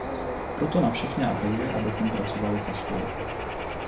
Proto na všechny apeluji, abychom pracovali pospolu.